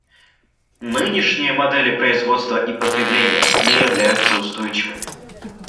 Нынешние модели производства и потребления не являются устойчивыми.